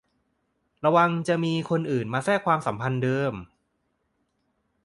ระวังจะมีคนอื่นมาแทรกความสัมพันธ์เดิม